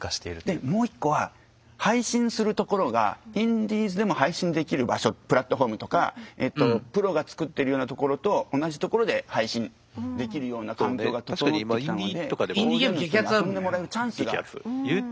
でもう一個は配信するところがインディーズでも配信できる場所プラットフォームとかえっとプロが作っているようなところと同じところで配信できるような環境が整ってきたので大勢の人に遊んでもらえるチャンスがある。